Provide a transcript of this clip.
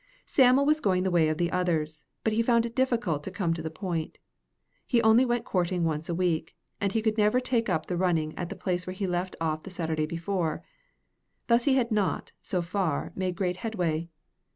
Sam'l was going the way of the others, but he found it difficult to come to the point. He only went courting once a week, and he could never take up the running at the place where he left off the Saturday before. Thus he had not, so far, made great headway.